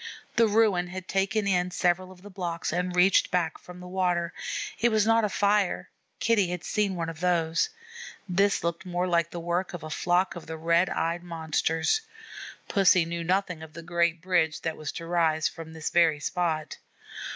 The ruin had taken in several of the blocks and reached back from the water. It was not a fire; Kitty had seen one of those things. This looked more like the work of a flock of the Red eyed Monsters. Pussy knew nothing of the great bridge that was to rise from this very spot.